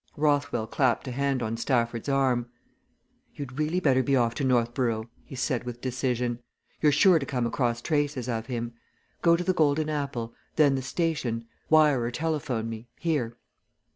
Rothwell clapped a hand on Stafford's arm. "You'd really better be off to Northborough," he said with decision. "You're sure to come across traces of him. Go to the 'Golden Apple' then the station. Wire or telephone me here.